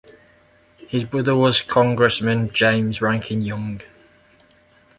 His brother was Congressman James Rankin Young.